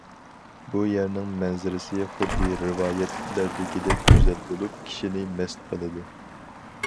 بۇ يەرنىڭ مەنزىرىسى خۇددى رىۋايەتلەردىكىدەك گۈزەل بولۇپ، كىشىنى مەست قىلىدۇ.